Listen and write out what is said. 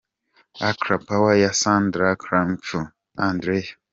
Accra Power ya Sandra Krampellhuber & Andrea.